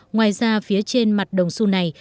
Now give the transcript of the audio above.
ngoài ra phía trên mặt đồng su này